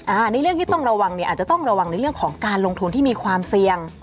อันนี้เรื่องที่ต้องระวังเนี่ยอาจจะต้องระวังในเรื่องของการลงทุนที่มีความเสี่ยง